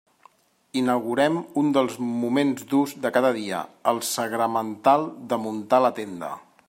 Inaugurem un dels moments durs de cada dia: el sagramental de muntar la tenda.